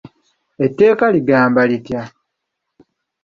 Etteeka ligamba litya?